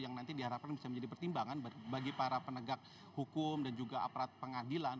yang nanti diharapkan bisa menjadi pertimbangan bagi para penegak hukum dan juga aparat pengadilan